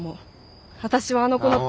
私はあの子の。